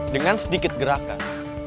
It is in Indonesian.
dengan sedikit gerakan